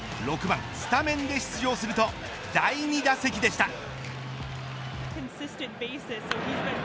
６番スタメンで出場すると第２打席でした。